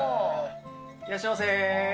いらっしゃいませ。